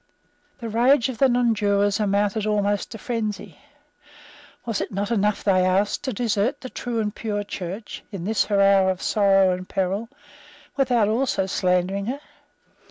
The rage of the nonjurors amounted almost to frenzy. Was it not enough, they asked, to desert the true and pure Church, in this her hour of sorrow and peril, without also slandering her?